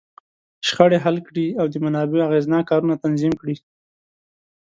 شخړې حل کړي، او د منابعو اغېزناک کارونه تنظیم کړي.